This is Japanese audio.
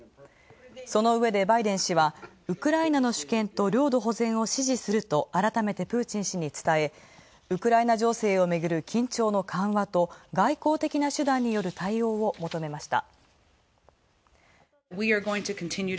その上で、バイデン氏はウクライナの主権と領土保全を支持するとあらためてプーチン氏に伝えウクライナ情勢をめぐる緊張の緩和と外交的な手段による対応を求めた。